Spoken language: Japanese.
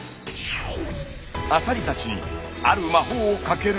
アサリたちにある魔法をかけると。